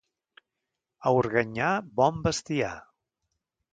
A Organyà, bon bestiar.